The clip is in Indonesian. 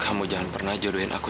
kamu jangan pernah jodohin aku